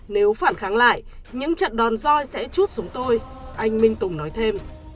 nếu phản kháng lại những trận đòn roi sẽ chút xuống tôi anh minh tùng nói thêm